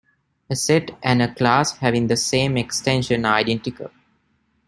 A set and a class having the same extension are identical.